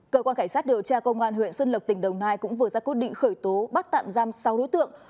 cơ quan cảnh sát điều tra công an huyện xuân lộc tỉnh đồng nai cũng vừa ra quyết định khởi tố bắt tạm giam sáu đối tượng